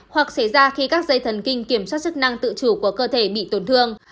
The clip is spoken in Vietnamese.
hoặc xảy ra khi các dây thần kinh kiểm soát chức năng tự chủ của cơ thể bị tổn thương